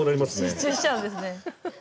集中しちゃうんですね。